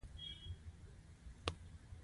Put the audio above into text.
ما شیخ عمر ته وویل دا خو دې د زوی زیری راکړ.